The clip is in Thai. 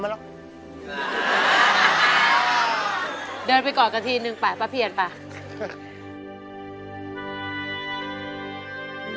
เดินไปกอดกันทีนึงไปป้าเพียนไป